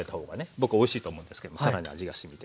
僕おいしいと思うんですけども更に味がしみて。